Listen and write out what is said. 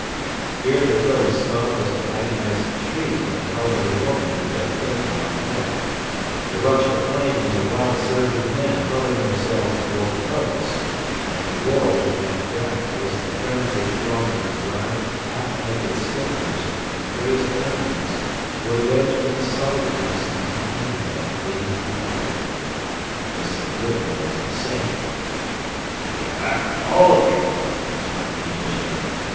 Here the curl of smoke was an agonized shriek from an elderly woman who fell fainting on the deck; the rush of flame was a wild surge of men hurling themselves toward the boats, and the roar which meant death was the frenzied throng of begrimed half naked stokers and crazed emigrants who were wedged in a solid mass in the companion way leading to the upper deck. The subduing was the same. [Illustration: Back, all of you ] "Back, all of you!" shouted the Engineer.